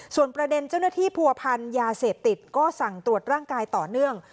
ส่วนประเด็นเจ้าหน้าที่ผัวพันธ์ยาเสพติดก็สั่งตรวจร่างกายต่อเนื่อง